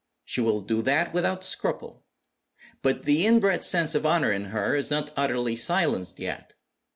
She will do that without scruple. But the inbred sense of honor in her is not utterly silenced yet.